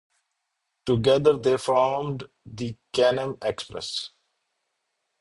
Together they formed The Can-Am Express.